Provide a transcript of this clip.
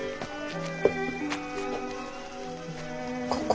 ここ？